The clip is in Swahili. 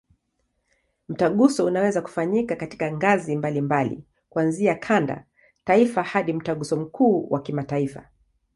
Mtaguso unaweza kufanyika katika ngazi mbalimbali, kuanzia kanda, taifa hadi Mtaguso mkuu wa kimataifa.